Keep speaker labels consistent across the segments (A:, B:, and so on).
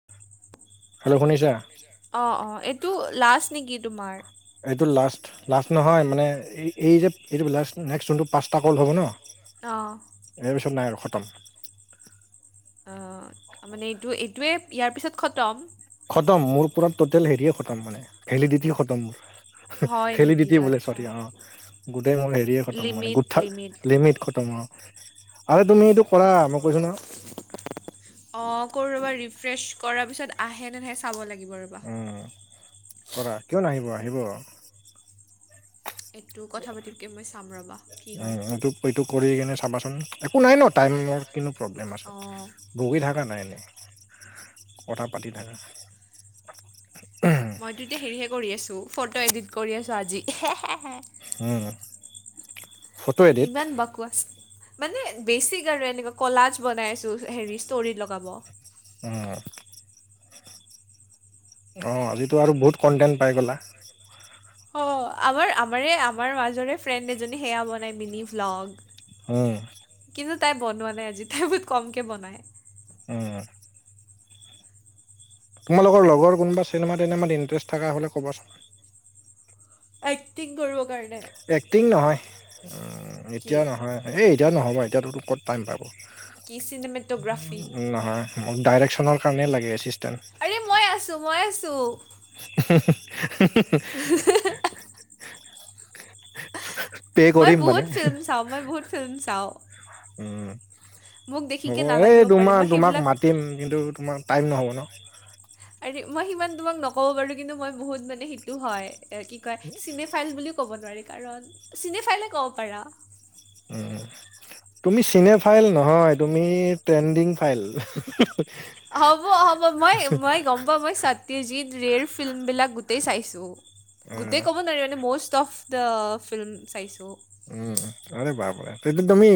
A: [inaudible]
B: Hello শুনিছা?
A: অ', অ', এইটো লাষ্ট নেকি তোমাৰ?
B: এইটো লাষ্ট, লাষ্ট নহয়, মানে এই, এই যে এইটো লাষ্ট নেক্সট যোনটো পাঁচটা কল হ'ব ন'?
A: অ'।
B: ইয়াৰ পিছত নাই আৰু খতম।
A: অ', মানে এইটো এইটোৱে ইয়াৰ পিছত খতম।
B: খতম মোৰ পুৰা টোটেল হেৰিয়ে খতম মানে, ভেলিডিটি খতম মোৰ।
A: হয় নেকি
B: ভেলিডিটি বোলে
A: আচ্ছা
B: চৰি অ'। গোটেই মোৰ হেৰিয়ে খতম মানে গুঠাল লিমিট খতম অ'। আৰে তুমি এইটো কৰা মই কৈছো ন'।
A: অ', কৰো ৰবা ৰিফ্ৰেছ কৰাৰ পিছত আহে নে নাহে চাব লাগিব ৰ'বা।
B: উম, কৰা কিয় নাহিব, আহিব।
A: এইটো, কথা পাতিবকে মই চাম ৰ'বা, কি হয়।
B: এটো কৰি কেনে চাবাচোন, একো নাই ন' টাইমৰ কিনো প্ৰব্লেম আছে।
A: অঁ
B: বহি থাকা না এনে কথা পাতি থাকা।
A: মইতো এতিয়া হেৰিহে কৰি আছোঁ, ফটো এডিট কৰি আছোঁ আজি হে হে হে।
B: উম। ফটো এডিট
A: ইমান বাকোৱাছ। মানে বেছিক আৰু এনেকুৱা কলাজ বনাইছো হেৰি ষ্টৰিত লগাব।
B: উম। অ', আজিতো আৰু বহুত কণ্টেণ্ট পাই গ'লা।
A: অ', আমাৰ আমাৰে আমাৰ মাজৰে ফ্ৰেণ্ড এজনী সেয়া বনাই মিনি ভ্লগ।
B: হয়।
A: কিন্তু তাই বনোৱা নাই আজি, তাই বহুত কমকে বনায়।
B: উম। তোমালোকৰ লগৰ কোনোবা চিনেমা তিনেমাত ইণ্টাৰেষ্ট থাকা হ'লে ক'বাচোন?
A: এক্টিং কৰিব কাৰণে।
B: এক্টিং নহয়,
A: কি
B: এতিয়া নহয়, এই এতিয়া নহ'ব এতিয়াতোতো ক'ত টাইম পাব।
A: কি চিনেমেট'গ্ৰাফী
B: নহয়, মোক ডাইৰেকচনৰ কাৰণে লাগে এষ্টিটেন।
A: আৰে মই আছোঁ, মই আছোঁ।
B: [unintelligible]
A: [unintelligible]
B: [unintelligible]
A: মই
B: মানে,
A: বহুত ফিল্ম চাওঁ, মই বহুত ফিল্ম চাওঁ।
B: উমঁ'
A: মোক
B: হ'ব,
A: দেখিকে
B: এই
A: নালাগিব পাৰে মই
B: তোমা-তোমাক
A: সেইবিলাক
B: মাতিম কিন্তু তোমাৰ টাইম নহ'ব ন'।
A: আৰে মই সিমান তোমাক নক'ব পাৰো কিন্তু মই বহুত মানে সেইটো হয় কি কয় চিনে- ফাইল বুলি ক'ব নোৱাৰি কাৰণ চিনে ফাইলে ক'ব পাৰা।
B: উমঁ। তুমি চিনে ফাইল নহয়, তুমি ট্ৰেণ্ডিং ফাইল।
A: হ'ব হ'ব, মই মই গম পাওঁ মই সত্যজিত ৰেৰ ফিল্মবিলাক গোটেই চাইছোঁ।
B: উম,
A: গোটেই ক'ব নোৱাৰি মানে মোষ্ট অফ দা ফিল্ম চাইছো।
B: উমঁ' আৰে বাপৰে, তেতিয়া তুমি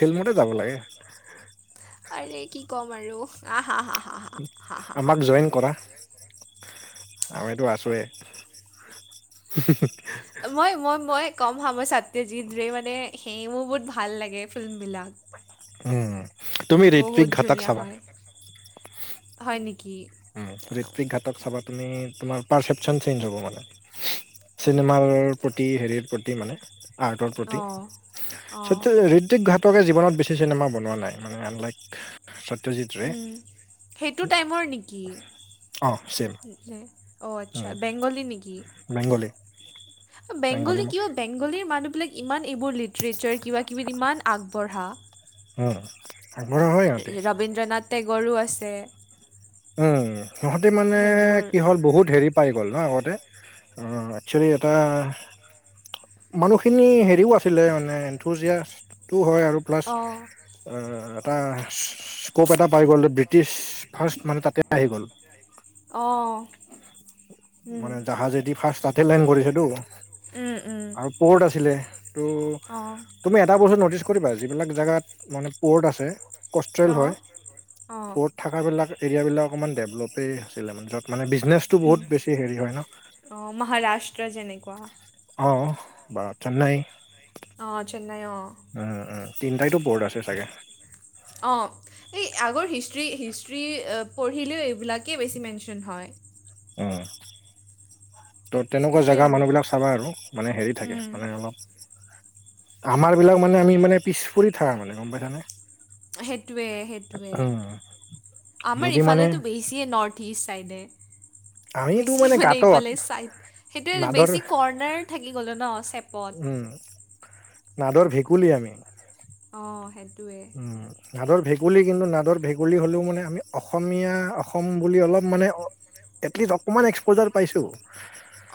B: ফিল্মমতে যাব লাগে।
A: আৰে কি ক'ম আৰু। আহ' হা হা হা। হা হা হা হা
B: আমাক জইন কৰা। আমিতো আছোৱে।
A: মই মই মই কম হা সাট্যজিতৰেই মানে সেই বোৰ বহুত ভাল লাগে ফিল্মবিলাক।
B: উমঁ' তুমি
A: বহুত
B: ৰেতপিক ঘাতক
A: ধুনীয়া
B: চাবা।
A: হয় হয় নেকি
B: উমঁ' ৰেলত পিক ঘাটক চাবা তুমি তোমাৰ পাৰ্চেপচন চেঞ্জ হ'ব মানে। চিনেমাৰ প্ৰতি হেৰিৰ প্ৰতি মানে। আৰ্টৰ প্ৰতি।
A: অঁ অঁ
B: সট্য ঋক্তিক ঘাটকে জীৱনত বেছি চিনেমা বনোৱা নাই মানে আনলাইক সত্যজিত ৰে
A: উমঁ' সেইটো টাইমৰ নেকি?
B: অ চেম
A: অহ' আচ্ছা' বেংগলী নেকি?
B: বেংগলী
A: বেংগলী কিয়- বেংগলীৰ মানুহবিলাক ইমান এইবোৰ লিটাৰেচাৰ, কিবাকিবিত ইমান আগবঢ়া।
B: উমঁ। আগবঢ়া হয়।
A: ৰবীন্দ্ৰনাথ টেগৰো আছে।
B: উমঁ' সিহঁতে মানে
A: সেইবোৰ
B: কি হ'ল বহুত হেৰি- পাই গ'ল ন' আগতে অহ' এক্সুৱেলী এটা- মানুহখিনি হেৰিও আছিলে মানে এনথজিয়া এটোও হয় আৰু। আৰু প্লাচ
A: অঁ
B: আহ' এটা স্কোপ এটা পাই গ'ল টো ব্ৰিটিছ ফাৰ্ষ্ট মানে তাতে আহি গ'ল।
A: অঁহ।
B: মানে জাহাজেদি ফাৰ্ষ্ট তাতে লেন কৰিছেতো।
A: উম, উম,
B: আৰু পৰ্ট আছিলে সেইতো
A: অঁ
B: তুমি এটা বস্তু ন'টিছ কৰিবা যিবিলাক জাগাত মানে প'ৰ্ট আছে কষ্ট্ৰেল হয়
A: অঁ অঁ
B: পো'ত থাকা বিলাক এৰিয়াবিলাক অকমান ডেভলপেই আছিলে য'ত মানে বিজনেছ
A: উম অহ মহাৰাষ্ট্ৰ যেনেকুৱা
B: অহ বা চেন্নাই
A: অহ চেন্নাই অহ
B: উম উম তিনটাইতো পোৰ্ড আছে চাগে
A: অহ এই আগৰ হিষ্ট্ৰি হিষ্ট্ৰী পঢ়িলেও এইবিলাকেই বেছি মেনচন হয়
B: উম তো তেনেকুৱা
A: সেইটোৱে
B: জাগা
A: আৰু
B: মানুহবিলাক চাবা আৰু মানে হেৰি থাকে
A: উম,
B: মানে অলপ আমাৰ বিলাক মানে আমি মানে পিছ পৰি থাকা মানে গম পাইছানে
A: সেইটোৱে সেইটোৱে
B: উম
A: আমাৰ
B: যদি মানে
A: এইফালেতো বেছিয়ে নৰ্থ ইষ্ট ছাইডে
B: আমিতো
A: বেছি মানে
B: গাঁতত
A: ইফালে চাইড সেইটোৱে
B: নাদৰ
A: বেছি কৰ্ণাৰ থাকি গ'লে ন চেপ
B: উম নাদৰ ভেকুলী আমি
A: অহ সেইটোয়ে
B: উম নাদৰ ভেকুলী কিন্তু নাদৰ ভেকুলী হ'লেও মানে আমি অসমীয়া অসম বুলি অলপ মানে এটলিষ্ট অকমান এক্সপোজাৰ পাইছো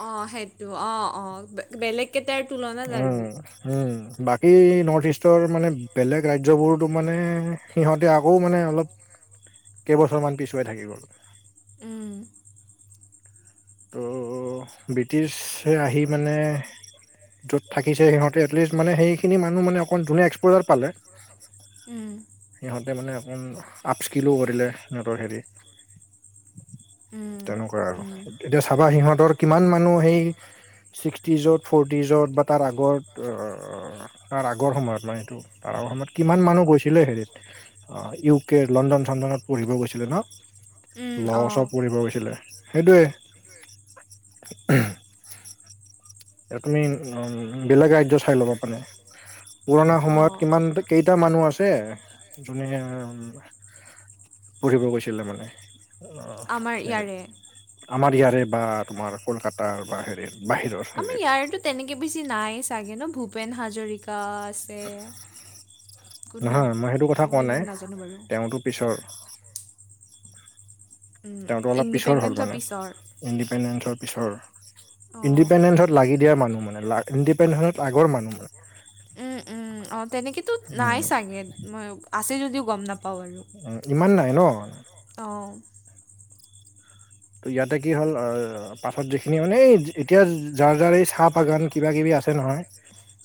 A: অহ সেইটো অহ অহ বেলেগকেইটাৰ তুলনাত আৰু
B: উম, উম বাকী নৰ্থ ইষ্টৰ মানে বেলেগ ৰাজ্যবোৰতো মানে সিহঁতে আকৌ মানে অলপ কেইবছৰ মান পিছুৱাই থাকি গ'ল
A: উম
B: ত ব্ৰিটিছে আহি মানে য'ত থাকিছে সিহঁতে এটলিষ্ট মানে সেইখিনি মানুহ মানে অকমান যোনে এক্সপোজাৰ পালে
A: উম
B: সিহঁতে মানে অকণ আপস্কিলো কৰিলে সিহঁতৰ হেৰি
A: উম
B: তেনেকুৱা আৰু।
A: উম
B: এতিয়া চাবা সিহঁতৰ কিমান মানুহ সেই ছিক্সটি য'ত ফৰটি য'ত বা তাৰ আগত অহ অহ তাৰ আগৰ সময়ত মানে এইটো তাৰ আগৰ সময়ত কিমান মানুহ গৈছিলে হেৰিত অহ ইউ কে লণ্ডন চণ্ডনত পঢ়িব গৈছিলে ন
A: উম
B: ল চ
A: অঁ
B: পঢ়িব গৈছিলে সেইটোৱে [unintelligible] এ তুমি উম বেলেগ ৰাজ্য চাই ল'বা পালে পুৰাণা
A: অঁ
B: সময়ত কিমান কেইটা মানুহ আছে যোনে পঢ়িব গৈছিলে মানে অহ
A: আমাৰ
B: হেৰি
A: ইয়াৰে
B: আমাৰ ইয়াৰে বা তোমাৰ কলকাতাৰ বা হেৰিৰ বাহিৰৰ
A: আমাৰ
B: হেৰিৰ
A: ইয়াৰেতো তেনেকে বেছি নাই চাগে ন ভূপেন হাজৰিকাত আছে কোনোবা মই ইমান নাজানো বাৰু
B: এইটো পিছৰ
A: উম,
B: তেওঁটো অলপ পিছৰ হ'ল
A: ইণ্ডিপেণ্ডেঞ্চৰ
B: মানে
A: পিছৰ
B: ইণ্ডিপেণ্ডেঞ্চৰ পিছৰ
A: অঁ
B: ইণ্ডিপেণ্ডেঞ্চত লাগি দিয়া মানুহ মানে ইণ্ডিপেণ্ডেনত আগৰ মানুহ মানে
A: উম উম অহ তেনেকেতো নাই
B: উম,
A: চাগে মই আছে যদিও গম নাপাওঁ আৰু
B: উম ইমান নাই ন
A: অহ
B: তো ইয়াতে কি হ'ল অহ' পাছত যিখিনি মানে এতিয়া যাৰ যাৰ এই চাহ বাগান কিবা-কিবি আছে নহয়।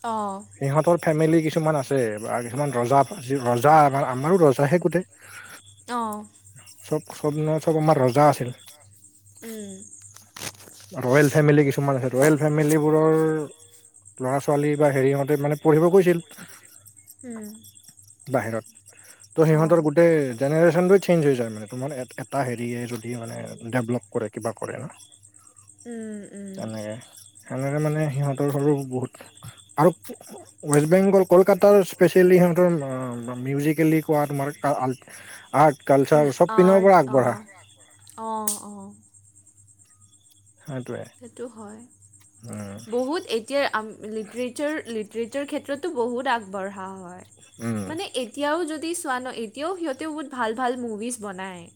A: অঁ।
B: সিহঁতৰ ফেমিলি কিছুমান আছে বা কিছুমান ৰজা আজি ৰজা আম আমাৰো ৰজা হে গোটেই।
A: অ'।
B: চব চব ন, চব আমাৰ ৰজা আছিল।
A: উম।
B: ৰয়েল ফেমিলি কিছুমান আছে ৰয়েল ফেমিলীবোৰৰ ল'ৰা-ছোৱালী বা হেৰিহঁতে মানে পঢ়িব গৈছিল।
A: উম।
B: বাহিৰত ত' সিহঁতৰ গোটেই জেনেৰেশ্যনটোৱে চেঞ্জ হৈ যায়, মানে তোমাৰ এটা হেৰিয়ে যদি মানে ডেভলপ কৰে, কিবা কৰে।
A: উম উম।
B: তেনেকে, সেনেকে মানে সিহঁতৰ সৰু বহুত আৰু ৱেষ্ট বেংগল কলকাতাৰ স্পেচেলি মিউজিকেলি কোৱা তোমাৰ আৰ্ট কালচাৰ চব পিনৰ পৰা আগবঢ়া।
A: অঁ অঁ অঁ।
B: সেইটোৱে
A: সেইটো হয়,
B: উম
A: বহুত এ এতিয়া লিটিৰেচাৰ লিটিৰেচাৰ ক্ষেত্ৰতো বহুত আগবঢ়া হয়।
B: উম
A: মানে, এতিয়াও যদি চোৱা ন এতিয়াও সিহঁতেও বহুত ভাল ভাল মুভিজ বনাই।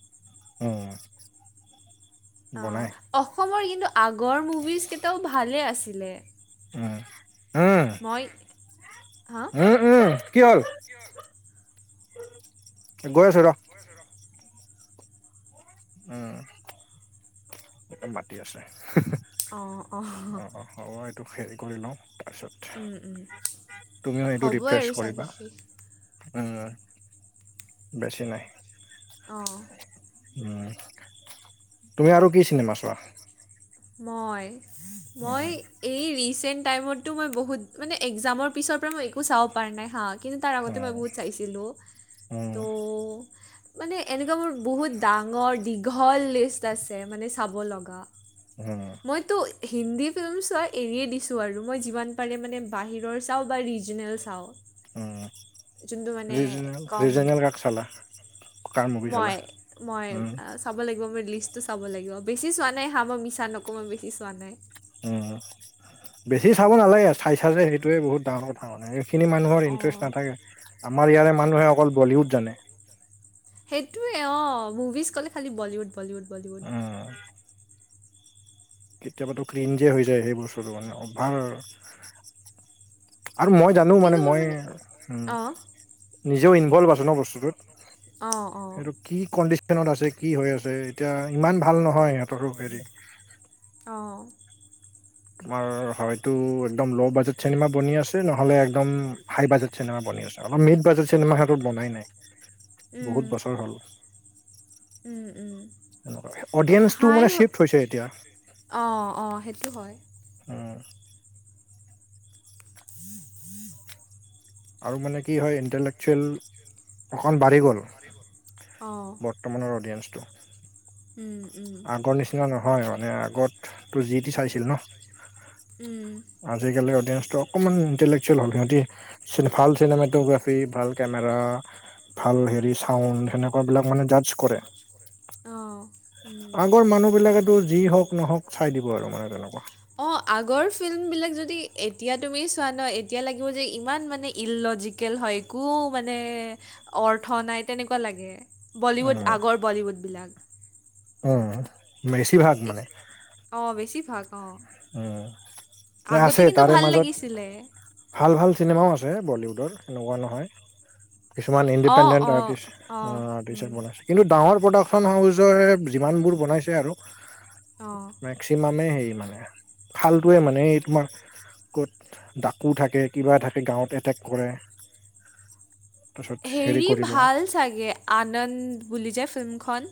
B: উম। বনাই
A: অ' অসমৰ কিন্তু আগৰ মুভিজ কিটাও ভালে আছিলে।
B: উম। উম
A: মই-হা?
B: উম উম, কি হ'ল গৈ আছো ৰ। উম, এ মাতি আছে।
A: অ' অ' [unintelligible]
B: হ'ব এইটো হেৰি কৰি লওঁ, তাৰপিছত।
A: উম উম,
B: তুমিও এইটো
A: হ'বই
B: ৰিফ্ৰেছ
A: আৰু চাগে
B: কৰিবা
A: শেষ।
B: উম, বেছি নাই।
A: অঁ।
B: উম, তুমি আৰু কি চিনেমা চোৱা?
A: মই মই
B: উম
A: এই ৰিচেণ্ট টাইমতটো মই বহুত মানে এক্সজামৰ পিছৰ পৰা মই একো চাব পৰা নাই। হা! কিন্তু তাৰ আগতে মই
B: উম
A: বহুত চাইছিলো।
B: উম
A: ত' মানে এনেকুৱা মোৰ বহুত ডাঙৰ দীঘল লিষ্ট আছে মানে চাব লগা।
B: উম।
A: মইতো হিন্দী ফিল্ম চোৱা এৰিয়ে দিছো আৰু মই যিমান পাৰে মানে বাহিৰৰ চাওঁ বা ৰিজনেল চাওঁ,
B: উম
A: যোনটো মানে
B: ৰিজনেল
A: কম
B: ৰিজনেল কাক চালা কাৰ মুভি চালা
A: মই, মই
B: উম
A: চাব লাগিব, মই লিষ্টটো চাব লাগিব বেছি চোৱা নাই হা মই মিছা নকও মই বেছি চোৱা নাই।
B: উম, বেছি চাব নালাগে চাইচা যে সেইটোৱে বহুত ডাঙৰ কথা মানে। সেইখিনি মানুহৰ ইণ্টৰেষ্ট নাথাকে,
A: অঁ
B: আমাৰ ইয়াৰে মানুহে অকল বলিউড জানে।
A: সেইটোৱে অ মুভিজ ক'লে খালি বলীউড বলীউড বলীউড
B: উম কেতিয়াবাতো ক্লিনজিয়ে হৈ যায়। সেই বস্তুটো মানে অভাৰ আৰু মই জানো মানে
A: কিন্তু মোৰ
B: মই উ,
A: অঁ
B: নিজেও ইনভলভ আছে ন বস্তুটোত
A: অঁ অঁ
B: সেইটো কি কণ্ডিশনত আছে? কি হৈ আছে? এতিয়া ইমান ভাল নহয় ইাত
A: [unintelligible] অ,
B: তোমাৰ হয়তো একদম ল' বাজেট চিনেমা বনি আছে, নহলে একদম হাই বাজেট চিনেমা বনি আছে। অলপ মিট বাজেট চিনেমা হত বনাই নাই।
A: উম
B: বহুত বছৰ হ'ল।
A: উম', উম,
B: [unintelligible] অডিয়েন্ঞ্চটো মানে চিফ্ট হৈছে। এতিয়া
A: অ', অ, সেইটো হয়।
B: উম',
A: [inaudible]
B: আৰু মানে কি হয়। ইণ্টেলেকচুৱেল অক বাঢ়ি গ'ল
A: অ',
B: বৰ্তমানৰ অডিয়েন্ঞ্চটো
A: উম
B: আগৰ নিচ [unintelligible] নহয় মানে আগত তোৰ জি টি চাইছিল ন।
A: উম',
B: আজিকালি অডিয়েন্সটো অকণমান ইণ্টেলেকচুৱেল হল সিহঁতি ভাল চিনেমেটোগ্ৰাফি ভাল কেমেৰা ভাল হেৰি চাউণ্ড সেনেকুৱাবিলাক মানে জজ কৰে।
A: আহ',
B: আগৰ মানুহ বিলাকেতো যি হওক নহওক চাই দিব আৰু মানে তেনেকুৱা
A: অ', আগৰ ফিল্ম বিলাক যদি এতিয়া তুমি চোৱা ন এতিয়া লাগিব যে, ইমান মানে ইললজিকেল হয়। একো মানে অৰ্থ নাই, তেনেকুৱা লাগে। বলীউড
B: উম
A: আগৰ বলীউডবিলাক
B: উম', বেছিভাগ মানে
A: অ', বেছি ভাগ অ,
B: উম নে
A: আগতে
B: আছে
A: কিন্তু
B: তাৰে
A: ভাল
B: মাজত
A: লাগিছিলে।
B: ভাল ভাল চিনেমাও আছে। বলীউডৰ সেনেকুৱা নহয়। কিছুমান
A: অঁ
B: ইণ্ডিপেণ্ডেণ্ট আ
A: অঁ
B: টিচ
A: অঁ উম,
B: [unintelligible] কিন্তু, ডাঙৰ প্ৰডাকশচন হাউচৰে যিমানবোৰ বনাইছে আৰু
A: অঁ
B: মেক্সিমামে হে মানে [unintelligible] মানে এই তোমাৰ ক'ত ডাকো থাকে। কিবা থাকে। গাঁৱত এটেক কৰে। তাৰছত হেৰি কৰিব
A: চাগে আনন্দ বুলি যে ফিল্মখন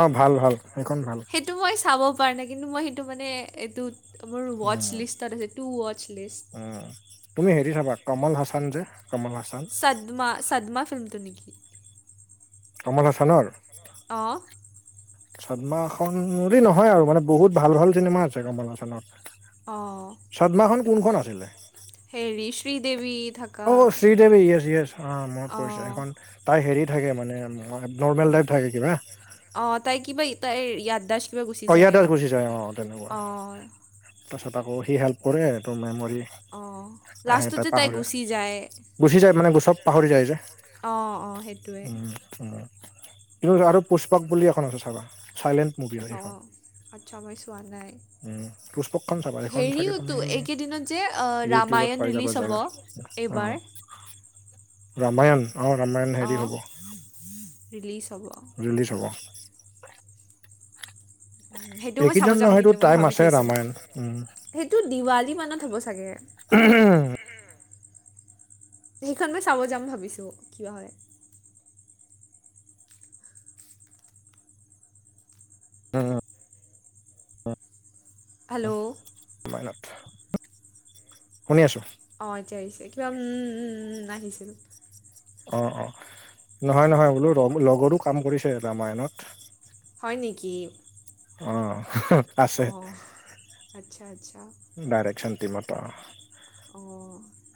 B: অ', ভাল। ভাল। সেইখন ভাল।
A: সেইটো মই চাব পৰা নাই। কিন্তু মই সেইটো মানে এইটোত আমাৰ ৱচ
B: উম
A: লিষ্ট তাত আছে, টু ৱচ লিষ্ট
B: উম', তুমি হেৰি চাবা কমল হাছান যে, কমল হাছান
A: চদ্মা চদ্মা ফিল্মটো নিকি?
B: কমল হাছনৰ?
A: অ',
B: চদমাখনন বুলি বুলি নহয় আৰু মানে বহুত ভাল ভাল চিনেমা আছে। কমল চনত
A: অ',
B: চাদমাহখন কোনখন আছিলে?
A: হেৰি শ্ৰীদেৱী থ
B: অ শ্ৰীদেৱী য়েচ য়েচ আহ মনত পৰিছে
A: অঁ
B: হেখন তাই হেৰি থাকে মানে নৰ্মেল টাইপ থাকে কিবা
A: অ তাই কিবা তাইৰ য়াদাছ কিবা গুচি
B: অ', ইয়াৰ
A: যায়
B: তাত গুচি
A: অ
B: তাৰপিছত আকৌ সি হেল্প কৰে এই তাৰ মেমৰি
A: অ
B: আহে
A: লাষ্টতে তাই
B: পাহৰে
A: গুচি যায়।
B: গুচি যায় মানে চব পাহৰি যায় যে।
A: অঁ অঁ সেইটোৱে।
B: উম, উম আৰু পুষ্পাক বুলি এখন আছে চাবা চাইলেণ্ট মুভি হয়
A: অঁ
B: সেইখন
A: আচ্ছা মই চোৱা নাই।
B: উম, পুষ্পকখন চাবা সেইখন চাগে তুমি
A: হেৰিওতো এইকেইদিনত যে
B: ইউটিউবত পাই
A: ৰামায়ণ
B: যাবা
A: ৰিলিজ হ'ব
B: চাগে
A: এইবাৰ
B: অ', ৰামায়ণ অঁ ৰামায়ণ হেৰি
A: অঁ
B: হ'ব
A: ৰিলিজ হ'ব
B: ৰেলিছ হ'ব।
A: সেইটো মই চাব
B: এইকেইদিন
A: যাম
B: নহয়তো
A: কিন্তু মই
B: টাইম
A: ভাবি
B: আছে
A: থৈছো।
B: ৰামায়ণ উম,
A: সেইটো দিৱালী মানত হ'ব চাগে।
B: [unintelligible]
A: সেইখন মই চাব যাম ভাবিছো কিবা হয়।
B: উম,
A: হেল্ল'!
B: মানত, শুনি আছো।
A: অ এতিয়া আহিছে কিবা উম উম উম আহিছিল।
B: অ অ নহয় নহয় বোলো লগৰটো কাম কৰিছে ৰামায়নত।
A: হয় নেকি?
B: অঁ।
A: অঁ আচ্ছা আচ্ছা।
B: ডাইৰেকচন টিমত
A: অ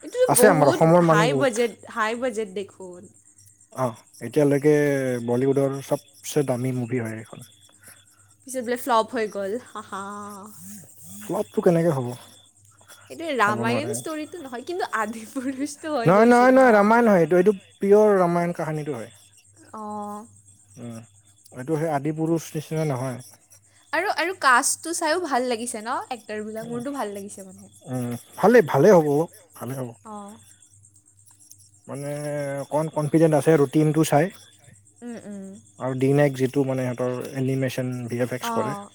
A: এইটো
B: আছে আমাৰ
A: বহুত
B: অসমৰ মানুহ
A: হাই
B: বহুত
A: বাজেট হাই বাজেট দেখোন।
B: অঁ এতিয়ালৈকে বলিউডৰ চবচে দামী মুভি হয় এইখন।
A: পিছত বোলে ফ্লপ হৈ গল হা হা
B: ফ্লপটো কেনেকে হ'ব।
A: সেইটো
B: হ'ব নোৱাৰে
A: ৰামায়ণ ষ্টৰিতটো নহয় কিন্তু আদি পুৰুষটো হৈ
B: নহয় নহয়
A: গৈছিল ন।
B: ৰামায়ণ নহয় এইটো এইটো পিয়ৰ ৰামায়ণ কাহিনীটো হয়।
A: অঁ।
B: উম এইটো সেই আদি পুৰুষ নিচিনা নহয়।
A: আৰু আৰু কাচটো চাইয়ো ভাল লাগিছে ন এইবিলাক মোৰটো ভাল লাগিছে মানে
B: উম ভালেই ভালেই হ'ব ভালেই হ'ব
A: অঁ
B: মানে অকণ কনফিডেণ্ট আছে ৰুটিনটো চাই।
A: উম উম।
B: আৰু দিনাইক যিটো মানে সিহঁতৰ এনিমেচন এক্স কৰে
A: অঁ